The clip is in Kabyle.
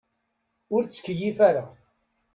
Ur ttkeyyif ara.